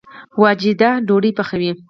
واجده ډوډۍ پخوي